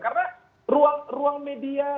karena ruang media